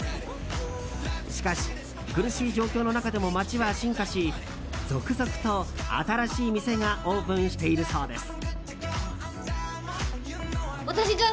しかし、苦しい状況の中でも街は進化し続々と新しい店がオープンしているそうです。